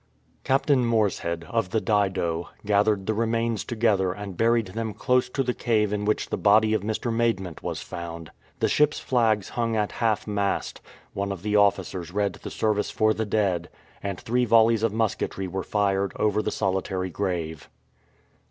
Captain Morshead, of the Dido, gathered the re mains together and buried them close to the cave in which the body of Mr. Maidment was found. The ship's 254 VICTORY THROUGH DEATH flags hung at half mast, one of the officers read the service for the dead, and three volleys of musketry were fired over the solitary grave.